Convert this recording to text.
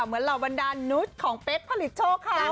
เหมือนเหล่าวันดันนุษย์ของเป๊กผลิตโชคเขา